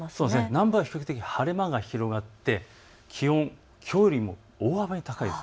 南部は比較的晴れ間が広がって気温きょうよりも大幅に高い。